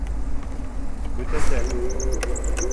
Бөтәсәк!